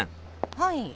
はい。